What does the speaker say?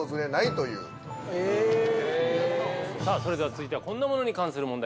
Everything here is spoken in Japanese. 続いてはこんなものに関する問題